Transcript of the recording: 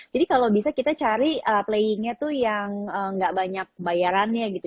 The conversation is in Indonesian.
jadi kalau bisa kita cari playingnya itu yang nggak banyak bayarannya gitu